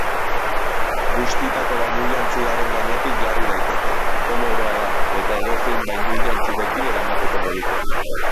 Bustitako bainujantziaren gainetik jarri daiteke, komodoa da eta edozein bainujantzirekin eramateko modukoa.